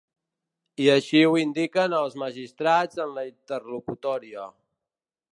I així ho indiquen els magistrats en la interlocutòria.